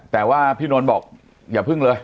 แต่ว่าพี่นนท์บอกอย่าพึ่งเลย